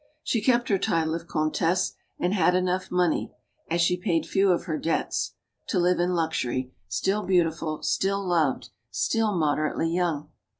She kept her title of "Comtesse," and had enough money as she paid few of her debts to live in luxury; still beautiful, still loved, still moderately young.